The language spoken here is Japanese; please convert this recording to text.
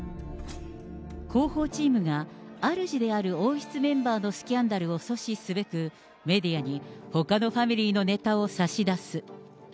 広報チームが、あるじである王室メンバーのスキャンダルを阻止すべく、メディアにほかのファミリーのネタを差し出す。